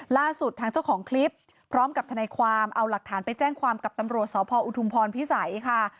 ล่าสุดทางเจ้าของคลิปพร้อมกับทนายความเอาหลักฐานไปแจ้งความกับตำรวจสพอุทุมพรพิสัยค่ะ